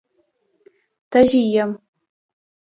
_تږی يم.